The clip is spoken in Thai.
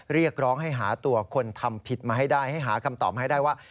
เรียกร้องให้หาตัวคนทำผิดมาให้ได้ให้หาคำตอบมาให้ได้ว่า